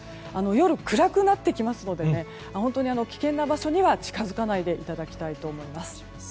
夜、暗くなってきますので本当に危険な場所には近づかないでいただきたいと思います。